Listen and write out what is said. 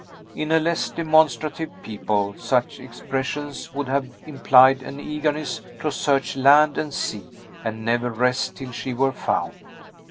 In a less demonstrative people, such expressions would have implied an eagerness to search land and sea, and never rest till she were found.